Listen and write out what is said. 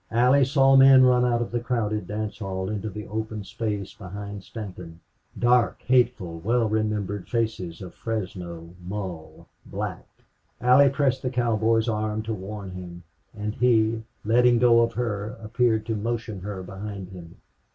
Allie saw men run out of the crowded dance hall into the open space behind Stanton. Dark, hateful, well remembered faces of Fresno Mull Black! Allie pressed the cowboy's arm to warn him, and he, letting go of her, appeared to motion her behind him.